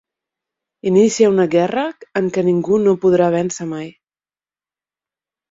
Inicie una guerra en què ningú no podrà véncer mai?